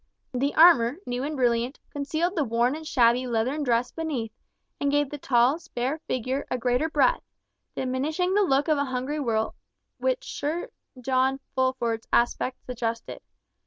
The armour, new and brilliant, concealed the worn and shabby leathern dress beneath, and gave the tall, spare figure a greater breadth, diminishing the look of a hungry wolf which Sir John Fulford's aspect suggested.